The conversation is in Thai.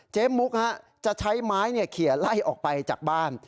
เจมมุกฮะจะใช้ไม้เนี้ยเขียนไล่ออกไปจากบ้าน